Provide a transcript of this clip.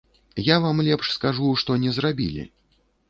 Я вам лепш скажу, што не зрабілі.